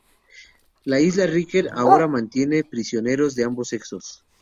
La Isla Ryker ahora mantenía prisioneros de ambos sexos.